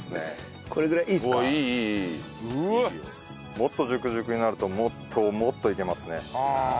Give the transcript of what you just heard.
もっとジュクジュクになるともっともっといけますね。